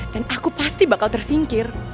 dan aku pasti bakal tersingkir